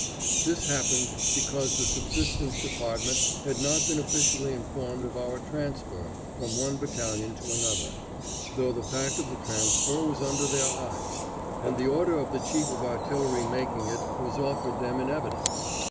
This happened because the subsistence department had not been officially informed of our transfer from one battalion to another, though the fact of the transfer was under their eyes, and the order of the chief of artillery making it was offered them in evidence.